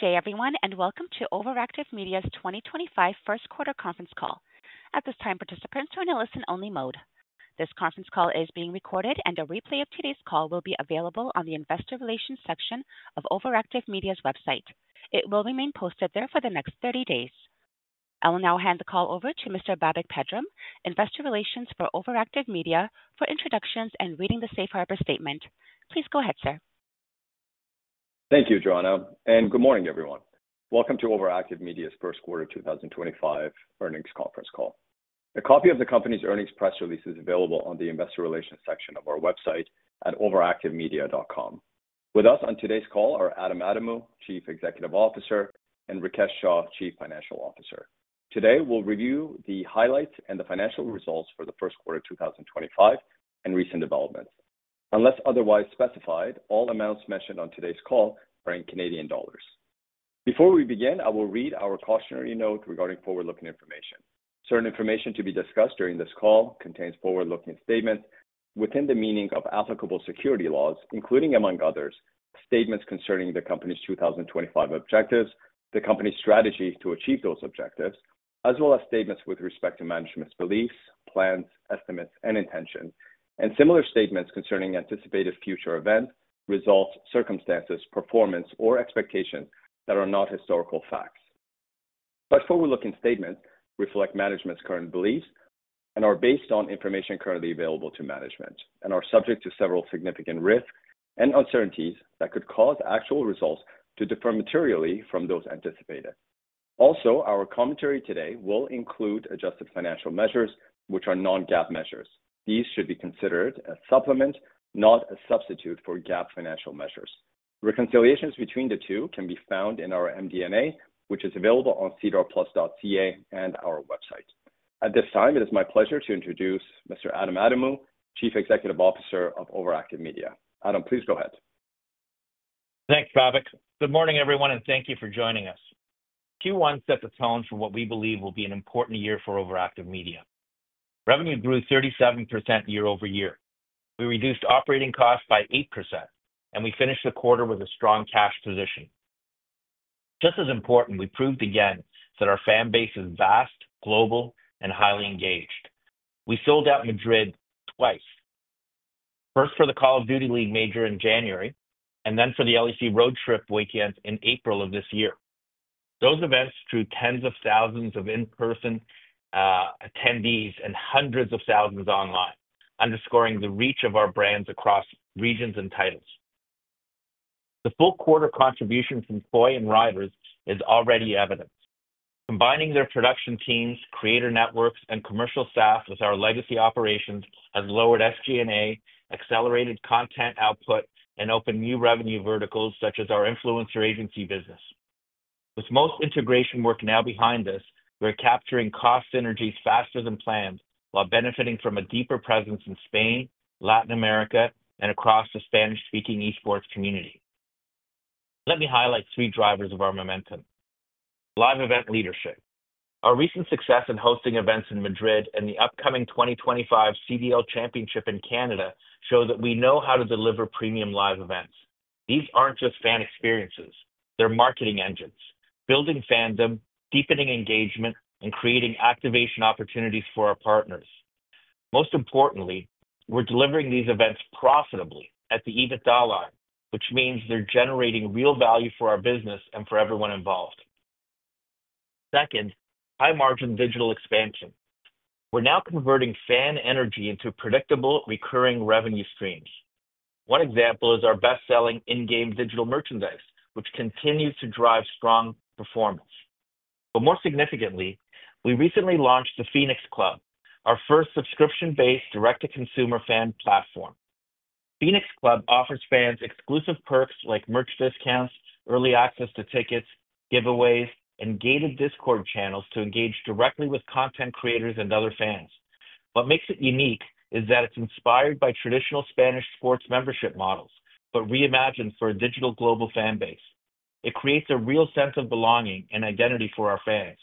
Okay, everyone, and welcome to OverActive Media's 2025 first quarter conference call. At this time, participants are in a listen-only mode. This conference call is being recorded, and a replay of today's call will be available on the Investor Relations section of OverActive Media's website. It will remain posted there for the next 30 days. I will now hand the call over to Mr. Babak Pedram, Investor Relations for OverActive Media, for introductions and reading the Safe Harbor Statement. Please go ahead, sir. Thank you, Joanna, and good morning, everyone. Welcome to OverActive Media's first quarter 2025 earnings conference call. A copy of the company's earnings press release is available on the Investor Relations section of our website at overactivemedia.com. With us on today's call are Adam Adamou, Chief Executive Officer, and Rikesh Shah, Chief Financial Officer. Today, we'll review the highlights and the financial results for the first quarter 2025 and recent developments. Unless otherwise specified, all amounts mentioned on today's call are in CAD. Before we begin, I will read our cautionary note regarding forward-looking information. Certain information to be discussed during this call contains forward-looking statements within the meaning of applicable security laws, including, among others, statements concerning the company's 2025 objectives, the company's strategy to achieve those objectives, as well as statements with respect to management's beliefs, plans, estimates, and intentions, and similar statements concerning anticipated future events, results, circumstances, performance, or expectations that are not historical facts. Such forward-looking statements reflect management's current beliefs and are based on information currently available to management and are subject to several significant risks and uncertainties that could cause actual results to differ materially from those anticipated. Also, our commentary today will include adjusted financial measures, which are non-GAAP measures. These should be considered a supplement, not a substitute for GAAP financial measures. Reconciliations between the two can be found in our MD&A, which is available on cedarplus.ca and our website. At this time, it is my pleasure to introduce Mr. Adam Adamou, Chief Executive Officer of OverActive Media. Adam, please go ahead. Thanks, Babak. Good morning, everyone, and thank you for joining us. Q1 set the tone for what we believe will be an important year for OverActive Media. Revenue grew 37% year-over-year. We reduced operating costs by 8%, and we finished the quarter with a strong cash position. Just as important, we proved again that our fan base is vast, global, and highly engaged. We sold out Madrid twice. First for the Call of Duty League Major in January, and then for the LEC road trip weekend in April of this year. Those events drew tens of thousands of in-person attendees and hundreds of thousands online, underscoring the reach of our brands across regions and titles. The full quarter contributions from KOI and Riders is already evident. Combining their production teams, creator networks, and commercial staff with our legacy operations has lowered SG&A, accelerated content output, and opened new revenue verticals such as our influencer agency business. With most integration work now behind us, we're capturing cost synergies faster than planned while benefiting from a deeper presence in Spain, Latin America, and across the Spanish-speaking esports community. Let me highlight three drivers of our momentum: live event leadership. Our recent success in hosting events in Madrid and the upcoming 2025 CDL Championship in Canada show that we know how to deliver premium live events. These aren't just fan experiences. They're marketing engines, building fandom, deepening engagement, and creating activation opportunities for our partners. Most importantly, we're delivering these events profitably at the EBITDA line, which means they're generating real value for our business and for everyone involved. Second, high-margin digital expansion. We're now converting fan energy into predictable, recurring revenue streams. One example is our best-selling in-game digital merchandise, which continues to drive strong performance. More significantly, we recently launched the Phoenix Club, our first subscription-based direct-to-consumer fan platform. Phoenix Club offers fans exclusive perks like merch discounts, early access to tickets, giveaways, and gated Discord channels to engage directly with content creators and other fans. What makes it unique is that it's inspired by traditional Spanish sports membership models, but reimagined for a digital global fan base. It creates a real sense of belonging and identity for our fans.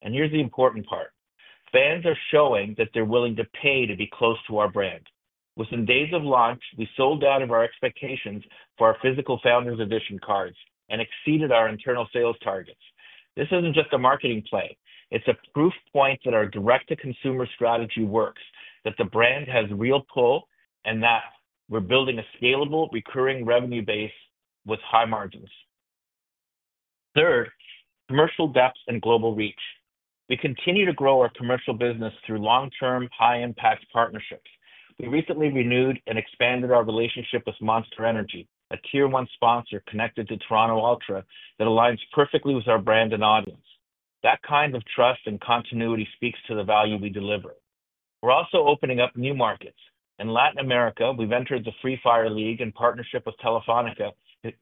Here's the important part: fans are showing that they're willing to pay to be close to our brand. Within days of launch, we sold out of our expectations for our physical Founders Edition cards and exceeded our internal sales targets. This isn't just a marketing play. It's a proof point that our direct-to-consumer strategy works, that the brand has real pull, and that we're building a scalable, recurring revenue base with high margins. Third, commercial depth and global reach. We continue to grow our commercial business through long-term, high-impact partnerships. We recently renewed and expanded our relationship with Monster Energy, a tier-one sponsor connected to Toronto Ultra that aligns perfectly with our brand and audience. That kind of trust and continuity speaks to the value we deliver. We're also opening up new markets. In Latin America, we've entered the Free Fire League in partnership with Telefónica,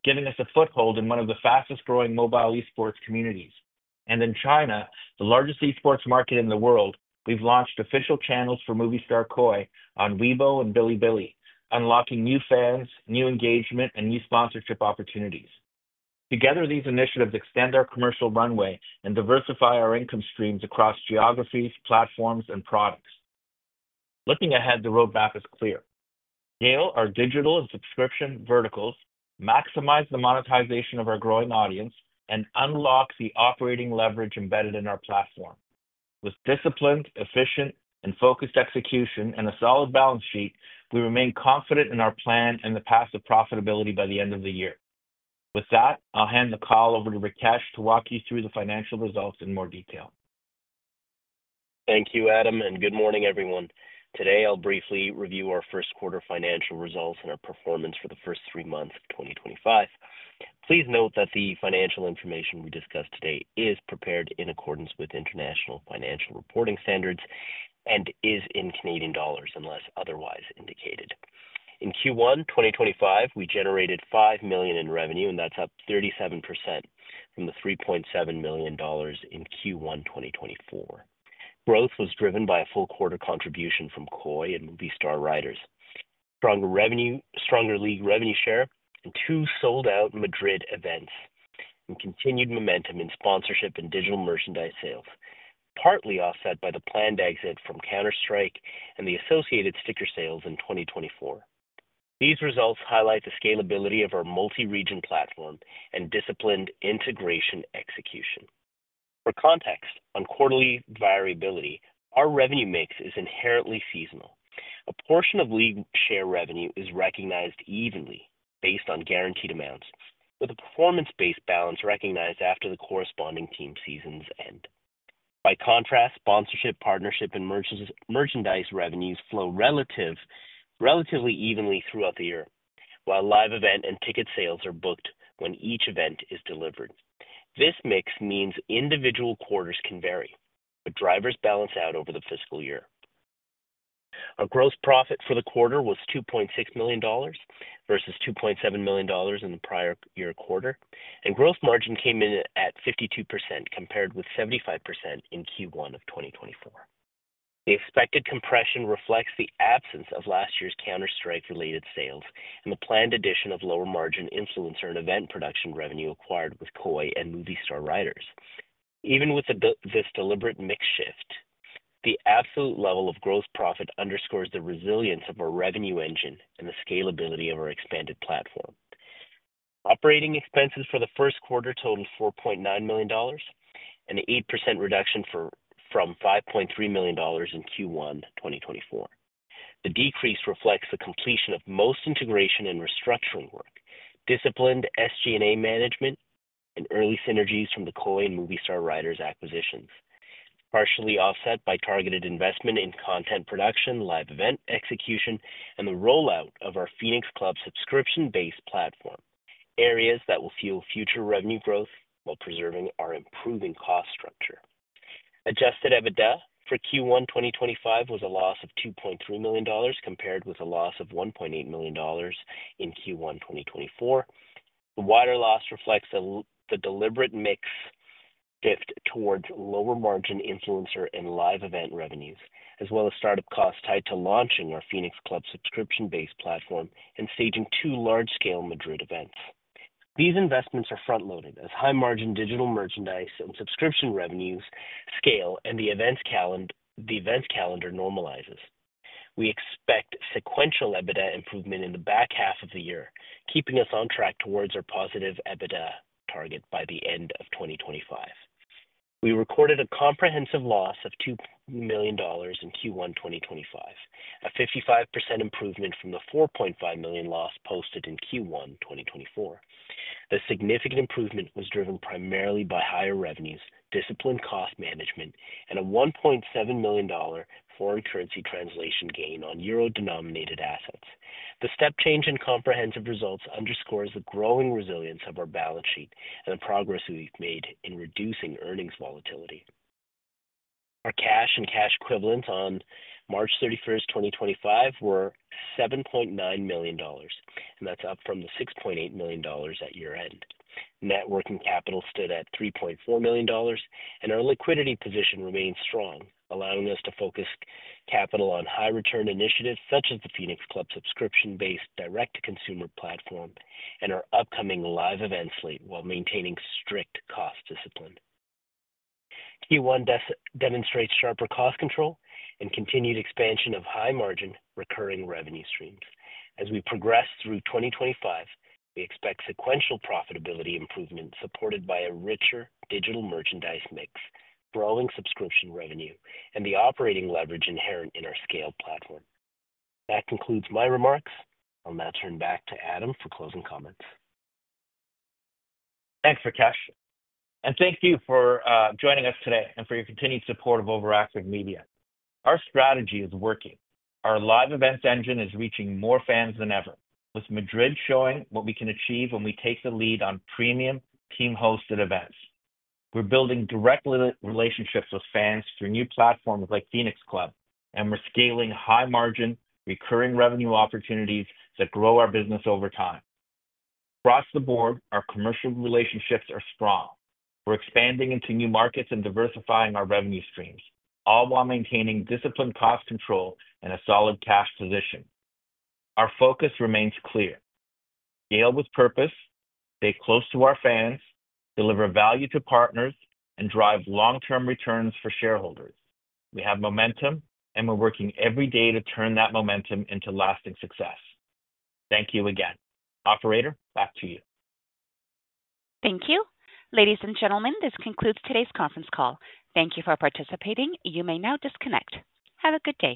giving us a foothold in one of the fastest-growing mobile esports communities. In China, the largest esports market in the world, we've launched official channels for Movistar KOI on Weibo and Bilibili, unlocking new fans, new engagement, and new sponsorship opportunities. Together, these initiatives extend our commercial runway and diversify our income streams across geographies, platforms, and products. Looking ahead, the roadmap is clear. Scale our digital and subscription verticals, maximize the monetization of our growing audience, and unlock the operating leverage embedded in our platform. With disciplined, efficient, and focused execution and a solid balance sheet, we remain confident in our plan and the path to profitability by the end of the year. With that, I'll hand the call over to Rikesh to walk you through the financial results in more detail. Thank you, Adam, and good morning, everyone. Today, I'll briefly review our first quarter financial results and our performance for the first three months of 2025. Please note that the financial information we discuss today is prepared in accordance with international financial reporting standards and is in CAD unless otherwise indicated. In Q1 2025, we generated 5 million in revenue, and that's up 37% from the 3.7 million dollars in Q1 2024. Growth was driven by a full quarter contribution from KOI and Movistar Riders, stronger league revenue share, and two sold-out Madrid events, and continued momentum in sponsorship and digital merchandise sales, partly offset by the planned exit from Counter-Strike and the associated sticker sales in 2024. These results highlight the scalability of our multi-region platform and disciplined integration execution. For context, on quarterly variability, our revenue mix is inherently seasonal. A portion of league share revenue is recognized evenly based on guaranteed amounts, with a performance-based balance recognized after the corresponding team season's end. By contrast, sponsorship, partnership, and merchandise revenues flow relatively evenly throughout the year, while live event and ticket sales are booked when each event is delivered. This mix means individual quarters can vary, but drivers balance out over the fiscal year. Our gross profit for the quarter was 2.6 million dollars versus 2.7 million dollars in the prior year quarter, and gross margin came in at 52% compared with 75% in Q1 of 2024. The expected compression reflects the absence of last year's Counter-Strike-related sales and the planned addition of lower-margin influencer and event production revenue acquired with KOI and Movistar Riders. Even with this deliberate mix shift, the absolute level of gross profit underscores the resilience of our revenue engine and the scalability of our expanded platform. Operating expenses for the first quarter totaled 4.9 million dollars, an 8% reduction from 5.3 million dollars in Q1 2024. The decrease reflects the completion of most integration and restructuring work, disciplined SG&A management, and early synergies from the KOI and Movistar Riders acquisitions, partially offset by targeted investment in content production, live event execution, and the rollout of our Phoenix Club subscription-based platform, areas that will fuel future revenue growth while preserving our improving cost structure. Adjusted EBITDA for Q1 2025 was a loss of 2.3 million dollars compared with a loss of 1.8 million dollars in Q1 2024. The wider loss reflects the deliberate mix shift towards lower-margin influencer and live event revenues, as well as startup costs tied to launching our Phoenix Club subscription-based platform and staging two large-scale Madrid events. These investments are front-loaded as high-margin digital merchandise and subscription revenues scale and the events calendar normalizes. We expect sequential EBITDA improvement in the back half of the year, keeping us on track towards our positive EBITDA target by the end of 2025. We recorded a comprehensive loss of 2 million dollars in Q1 2025, a 55% improvement from the 4.5 million loss posted in Q1 2024. The significant improvement was driven primarily by higher revenues, disciplined cost management, and a 1.7 million dollar foreign currency translation gain on euro-denominated assets. The step change in comprehensive results underscores the growing resilience of our balance sheet and the progress we've made in reducing earnings volatility. Our cash and cash equivalents on March 31, 2025, were 7.9 million dollars, and that's up from the 6.8 million dollars at year-end. Net working capital stood at 3.4 million dollars, and our liquidity position remained strong, allowing us to focus capital on high-return initiatives such as the Phoenix Club subscription-based direct-to-consumer platform and our upcoming live event slate while maintaining strict cost discipline. Q1 demonstrates sharper cost control and continued expansion of high-margin, recurring revenue streams. As we progress through 2025, we expect sequential profitability improvement supported by a richer digital merchandise mix, growing subscription revenue, and the operating leverage inherent in our scaled platform. That concludes my remarks. I'll now turn back to Adam for closing comments. Thanks, Rikesh. Thank you for joining us today and for your continued support of OverActive Media. Our strategy is working. Our live events engine is reaching more fans than ever, with Madrid showing what we can achieve when we take the lead on premium, team-hosted events. We're building direct relationships with fans through new platforms like Phoenix Club, and we're scaling high-margin, recurring revenue opportunities that grow our business over time. Across the board, our commercial relationships are strong. We're expanding into new markets and diversifying our revenue streams, all while maintaining disciplined cost control and a solid cash position. Our focus remains clear: scale with purpose, stay close to our fans, deliver value to partners, and drive long-term returns for shareholders. We have momentum, and we're working every day to turn that momentum into lasting success. Thank you again. Operator, back to you. Thank you. Ladies and gentlemen, this concludes today's conference call. Thank you for participating. You may now disconnect. Have a good day.